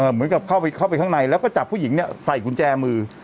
เหมือนกับเข้าไปข้างในแล้วก็จับผู้หญิงเนี่ยใส่กุญแจมือ